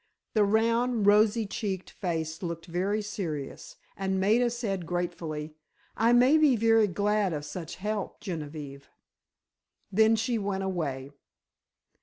The round, rosy cheeked face looked very serious, and Maida said, gratefully: "I may be very glad of such help, Genevieve." Then she went away.